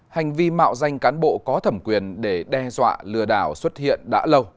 hành vi mạo danh cán bộ có thẩm quyền để đe dọa lừa đảo xuất hiện đã lâu